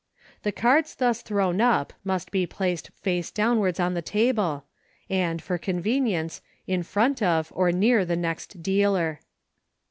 The cards thus thrown up must be placed face downwards on the table, and, for convenience, in front of or near the next dealer.